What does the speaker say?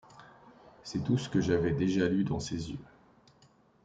C’est tout ce que j’avais déjà lu dans ses yeux.